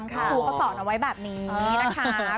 คุณครูเขาสอนเอาไว้แบบนี้นะคะ